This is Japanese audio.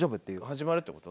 始まるって事？